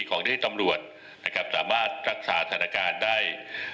ของที่ตำรวจนะครับสามารถรักษาสถานการณ์ได้